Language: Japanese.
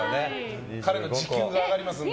彼の時給が上がりますんで。